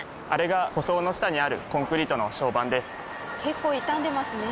あれが舗装の下にあるコンクリートの床版です。